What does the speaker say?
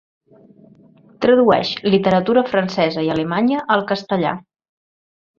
Tradueix literatura francesa i alemanya al castellà.